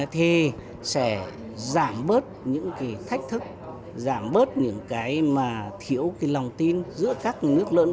thì sẽ giảm bớt những cái thách thức giảm bớt những cái mà thiếu cái lòng tin giữa các nước lớn